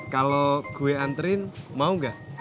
kalau gue anterin mau ga